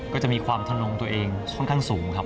ก็จะมีความทนงตัวเองค่อนข้างสูงครับ